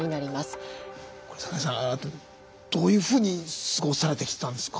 桜井さんどういうふうに過ごされてきたんですか？